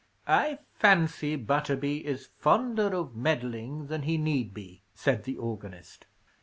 "I fancy Butterby is fonder of meddling than he need be," said the organist.